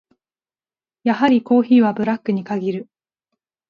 やはりコーヒーはブラックに限る。